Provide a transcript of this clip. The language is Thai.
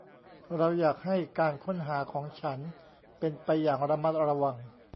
เราอยากให้การค้นหาของฉันเป็นไปอย่างระมัดระวัง